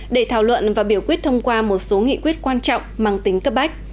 để thảo luận và biểu quyết thông qua một số nghị quyết quan trọng mang tính cấp bách